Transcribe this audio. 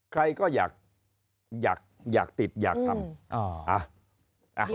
ใครก็อยากติดอยากทำ